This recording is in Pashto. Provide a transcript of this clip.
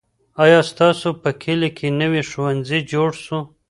آیا ستاسو په کلي کې نوی ښوونځی جوړ سو؟